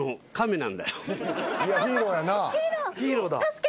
いやヒーローやな。